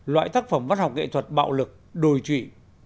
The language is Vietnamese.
hai loại tác phẩm văn học nghệ thuật bạo lực đồ trụy